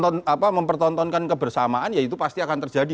kalau mempertontonkan kebersamaan ya itu pasti akan terjadi